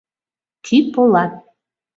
Кӱ полат